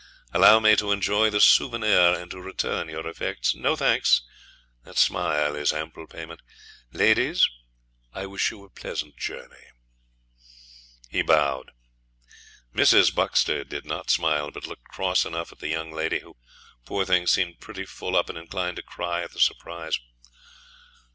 Allow me to enjoy the souvenir and to return your effects. No thanks; that smile is ample payment. Ladies, I wish you a pleasant journey.' He bowed. Mrs. Buxter did not smile, but looked cross enough at the young lady, who, poor thing, seemed pretty full up and inclined to cry at the surprise.